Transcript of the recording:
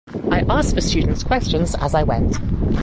I asked the students questions as I went.